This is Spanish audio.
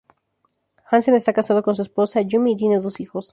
Hansen está casado con su esposa, Yumi y tiene dos hijos.